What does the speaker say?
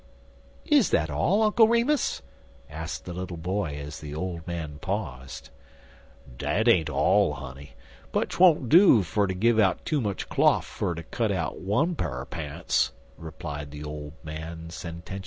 "Is that all, Uncle Remus?" asked the little boy as the old man paused. "Dat ain't all, honey, but 'twon't do fer ter give out too much cloff fer ter cut one pa'r pants," replied the old man sententiously.